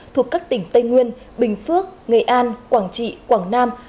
thuộc các tỉnh tây nguyên bình phước nghệ an quảng trị quảng nam